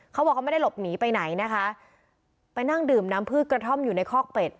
เขาบอกเขาไม่ได้หลบหนีไปไหนนะคะไปนั่งดื่มน้ำพืชกระท่อมอยู่ในคอกเป็ด